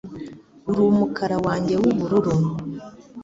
Uri umukara wanjye w'ubururu